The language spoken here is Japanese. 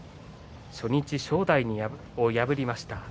初日正代を破りました。